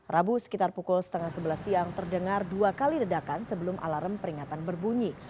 rabu sekitar pukul setengah sebelas siang terdengar dua kali ledakan sebelum alarm peringatan berbunyi